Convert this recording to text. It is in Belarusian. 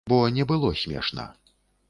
Бо не было смешна.